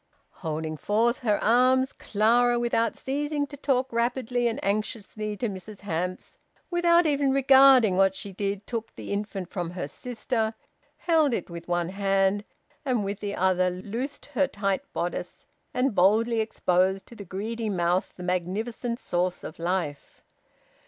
Holding forth her arms, Clara, without ceasing to talk rapidly and anxiously to Mrs Hamps, without even regarding what she did, took the infant from her sister, held it with one hand, and with the other loosed her tight bodice, and boldly exposed to the greedy mouth the magnificent source of life.